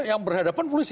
yang berhadapan polisi